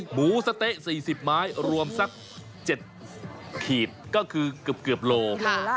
หมูสะเต๊ะ๔๐ไม้รวมสัก๗ขีดก็คือเกือบโล